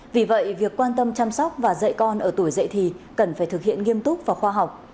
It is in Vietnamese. vì vậy việc quan tâm chăm sóc và dạy con ở tuổi dậy thì cần phải thực hiện nghiêm túc và khoa học